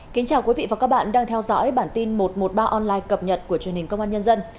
kính chào quý vị và các bạn đang theo dõi bản tin một trăm một mươi ba online cập nhật của truyền hình công an nhân dân